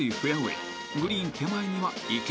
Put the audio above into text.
［グリーン手前には池］